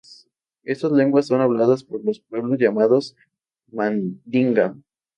Estas lenguas son habladas por los pueblos llamados mandinga.